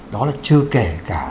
đó là chưa kể cả